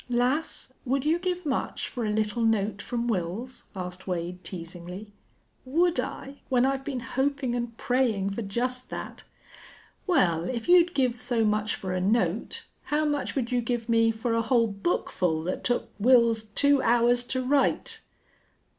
"Lass, would you give much for a little note from Wils?" asked Wade, teasingly. "Would I? When I've been hoping and praying for just that!" "Well, if you'd give so much for a note, how much would you give me for a whole bookful that took Wils two hours to write?"